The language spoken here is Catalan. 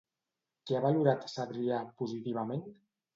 Què ha valorat Sabrià positivament?